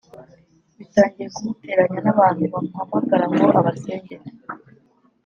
bitangiye kunteranya n’abantu bamuhamagara ngo abasengere